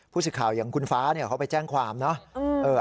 ผู้สื่อข่าวอย่างคุณฟ้าเนี่ยเขาไปแจ้งความเนาะ